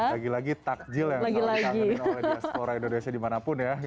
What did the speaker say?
lagi lagi takjil yang selalu dikangenin oleh diaspora indonesia dimanapun ya